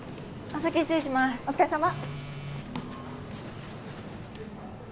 お疲れさま。